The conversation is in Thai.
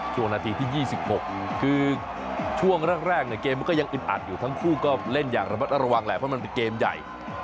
ช่วงนาทีที่๒๖คือช่วงแรกเนี่ยเกมมันก็ยังอึดอัดอยู่ทั้งคู่ก็เล่นอย่างระมัดระวังแหละเพราะมันเป็นเกมใหญ่